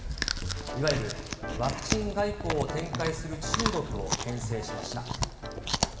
いわゆるワクチン外交を展開する中国をけん制しました。